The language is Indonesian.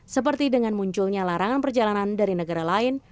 seperti dengan munculnya larangan perjalanan dari negara lain